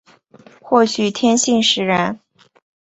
或许天性使然